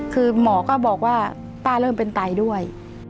คือหมอก็บอกว่าป้าเริ่มเป็นไตด้วย